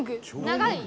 長い？